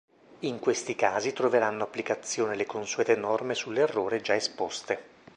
In questi casi troveranno applicazione le consuete norme sull'errore già esposte.